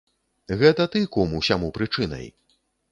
Гэта ты, кум, усяму прычынай!